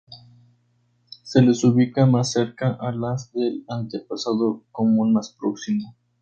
Se les ubica más cerca a las del antepasado común más próximo.